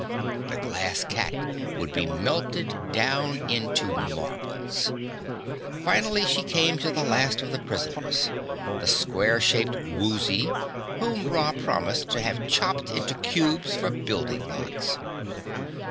The Glass Cat would be melted down into marbles. Finally she came to the last of the prisoners the square shaped Woozy whom Ra promised to have chopped into cubes for building blocks.